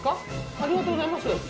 ありがとうございます。